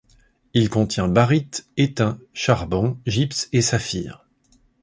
Il contient baryte, étain, charbon, gypse et saphirs.